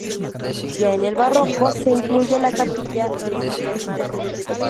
Ya en el barroco se incluye la capilla de San Bernardo.